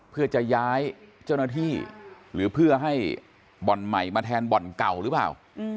เพื่อจะย้ายเจ้าหน้าที่หรือเพื่อให้บ่อนใหม่มาแทนบ่อนเก่าหรือเปล่า